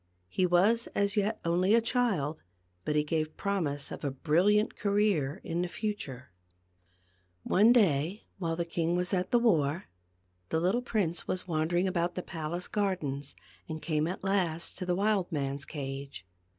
He was as yet only a child, but he gave promise of a brilliant career in the future. THE GLASS MOUNTAIN. 259 One day while the king was at the war, the little prince was wandering about the palace gardens and came at last to the wild man's cage.